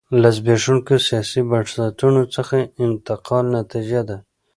له زبېښونکو سیاسي بنسټونو څخه انتقال نتیجه ده.